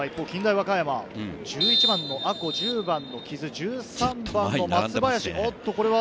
近大和歌山・１１番の阿児、１０番の木津、１３番の松林。